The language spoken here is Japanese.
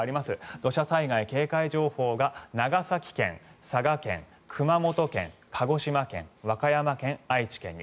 土砂災害警戒情報が長崎県、佐賀県、熊本県鹿児島県、和歌山県、愛知県に。